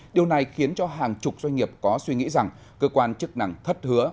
điều này khiến cho hàng chục doanh nghiệp có suy nghĩ rằng cơ quan chức năng thất hứa